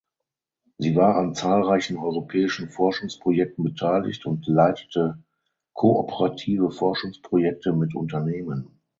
Sie war an zahlreichen europäischen Forschungsprojekten beteiligt und leitete kooperative Forschungsprojekte mit Unternehmen.